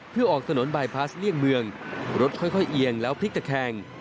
เพื่อออกถนนบายพลาสเลี่ยงเมืองรถค่อยเอียงแล้วพลิกตะแคง